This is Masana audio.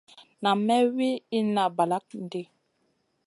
Nam may wi inna balakŋ ɗi.